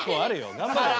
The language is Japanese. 頑張れよ。